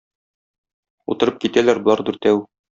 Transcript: Утырып китәләр болар дүртәү.